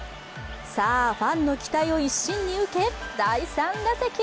さあ、ファンの期待を一身に受け第３打席！